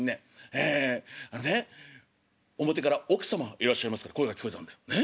ええあのね表から『奥様はいらっしゃいますか？』って声が聞こえたんだよね？